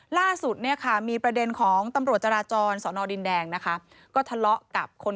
คุยกันก่อนคุยกันก่อนคุยก่อนคุยก่อน